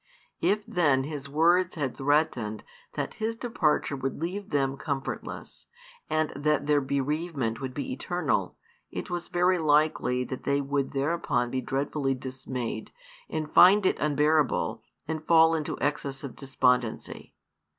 If then His words had threatened that His departure would leave them comfortless, and that their bereavement would be eternal, it was very likely that they would thereupon be dreadfully dismayed, and find it unbearable, and fall into excess of despondency.